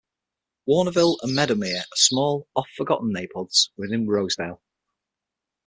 Warnerville and Meadowmere are small, oft-forgotten neighborhoods within Rosedale.